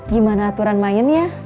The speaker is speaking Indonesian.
gimana aturan mainnya